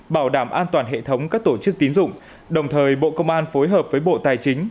bảo đảm an toàn hệ thống các tổ chức tín dụng đồng thời bộ công an phối hợp với bộ tài chính